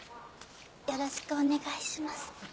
よろしくお願いします。